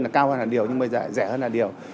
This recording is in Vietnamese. là cao hơn hạt điều nhưng bây giờ rẻ hơn hạt điều